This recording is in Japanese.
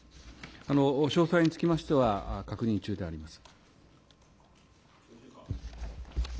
詳細につきましては、確認中であります。